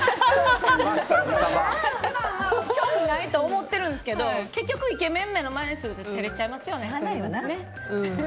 興味ないと思ってるんですけど結局イケメン目の前にすると照れちゃいますよね。